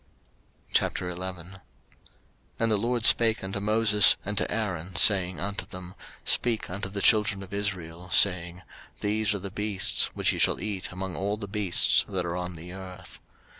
03:011:001 And the LORD spake unto Moses and to Aaron, saying unto them, 03:011:002 Speak unto the children of Israel, saying, These are the beasts which ye shall eat among all the beasts that are on the earth.